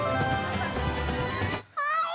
はい。